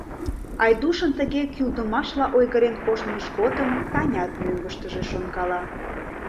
Айдушын тыге кӱлдымашла ойгырен коштмыж годым Танят мӧҥгыштыжӧ шонкала.